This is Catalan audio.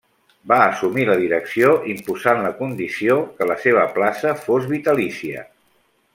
Va assumir la direcció imposant la condició que la seva plaça fos vitalícia.